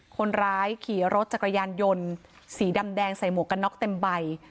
คนร้ายขี่รถจักรยานยนต์สีดำแดงใส่หมวกกันน็อกเต็มใบ